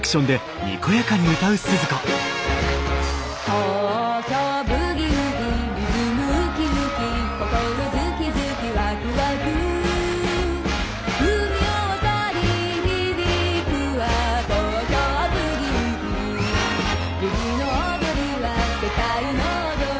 「東京ブギウギリズムウキウキ」「心ズキズキワクワク」「海を渡り響くは東京ブギウギ」「ブギの踊りは世界の踊り」